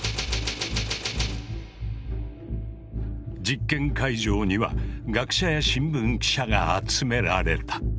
実験会場には学者や新聞記者が集められた。